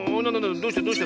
どうしたどうした？